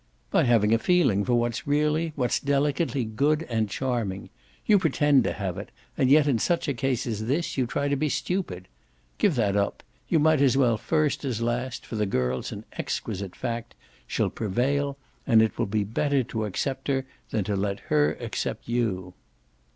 "By having a feeling for what's really, what's delicately good and charming. You pretend to have it, and yet in such a case as this you try to be stupid. Give that up; you might as well first as last, for the girl's an exquisite fact, she'll PREVAIL, and it will be better to accept her than to let her accept you."